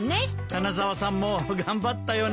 花沢さんも頑張ったよね。